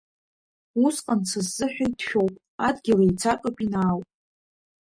Усҟан са сзыҳәа иҭшәоуп, адгьыл, еицаҟьоуп инаауп.